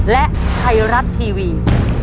และไทรรัฐธีวิทย์